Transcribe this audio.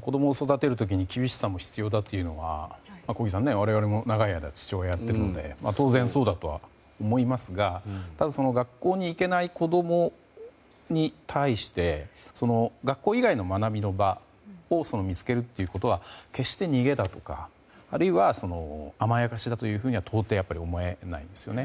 子供を育てる時に厳しさも必要だというのは小木さん、我々も長い間父親をやっているので当然、そうだとは思いますがただ、学校に行けない子供に対して学校以外の学びの場を見つけるということは決して逃げだとか、あるいは甘やかしだというふうには到底、思えないですよね。